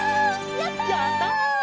やった！